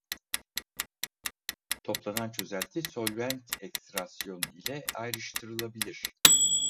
Toplanan çözelti solvent ekstraksiyon ile ayrıştırılabilir.